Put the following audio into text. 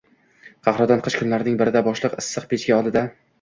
Qahraton qish kunlarining birida boshliq issiq pechka oldida